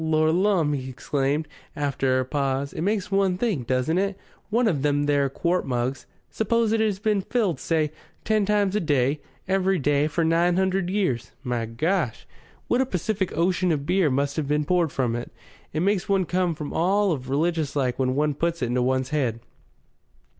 Lor' lumme!" he exclaimed, after a pause, "it makes one think, doesn't it? One of them there quart mugs suppose it has been filled, say, ten times a day, every day for nine hundred years my Gosh! what a Pacific Ocean of beer must have been poured from it! It makes one come over all of religious like when one puts it to one's head."